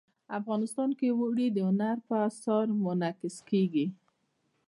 افغانستان کې اوړي د هنر په اثار کې منعکس کېږي.